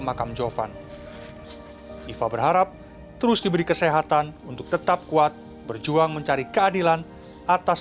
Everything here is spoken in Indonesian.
makam jovan iva berharap terus diberi kesehatan untuk tetap kuat berjuang mencari keadilan atas